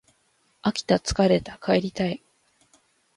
飽きた疲れた帰りたい